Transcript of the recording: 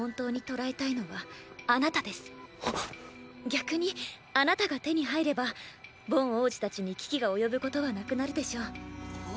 逆にあなたが手に入ればボン王子たちに危機が及ぶことはなくなるでしょう。